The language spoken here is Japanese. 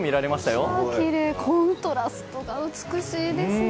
コントラストが美しいですね。